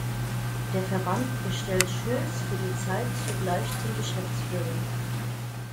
Der Verband bestellte Schultz für diese Zeit zugleich zum Geschäftsführer.